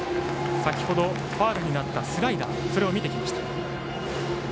先ほどファウルになったスライダーそれを見てきました。